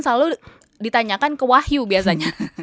selalu ditanyakan ke wahyu biasanya